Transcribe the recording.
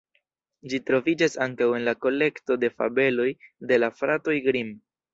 Ĝi troviĝas ankaŭ en la kolekto de fabeloj de la fratoj Grimm.